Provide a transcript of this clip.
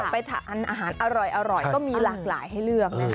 ไปทานอาหารอร่อยก็มีหลากหลายให้เลือกนะคะ